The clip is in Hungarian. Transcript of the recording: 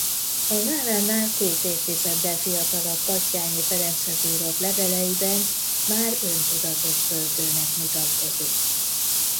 A nálánál két évtizeddel fiatalabb Batthyány Ferenchez írott leveleiben már öntudatos költőnek mutatkozik.